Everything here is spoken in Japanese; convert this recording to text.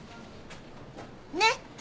ねっ？